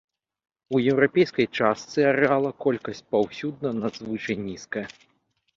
У еўрапейскай частцы арэала колькасць паўсюдна надзвычай нізкая.